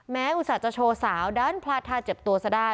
อุตส่าห์จะโชว์สาวดันพลาดทาเจ็บตัวซะได้